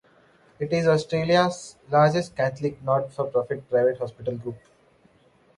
It is Australia's largest Catholic not-for-profit private hospital group.